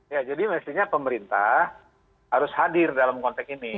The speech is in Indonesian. ya jadi mestinya pemerintah harus hadir dalam konteks ini